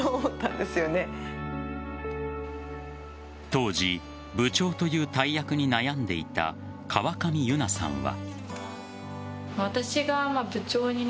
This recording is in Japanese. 当時部長という大役に悩んでいた河上優奈さんは。